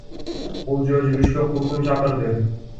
Бул жөө жүрүшкө курбум чакырды.